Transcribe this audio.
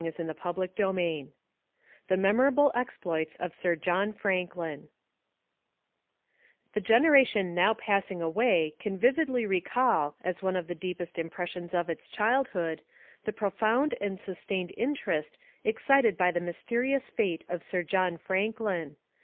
CHAPTER IV THE MEMORABLE EXPLOITS OF SIR JOHN FRANKLIN The generation now passing away can vividly recall, as one of the deepest impressions of its childhood, the profound and sustained interest excited by the mysterious fate of Sir John Franklin.